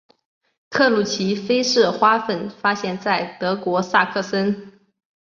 克鲁奇菲氏花粉发现在德国萨克森。